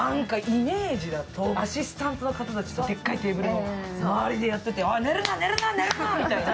イメージだとアシスタントの人たちがでっかいテーブルでやってて、寝るな、寝るな、寝るなみたいな。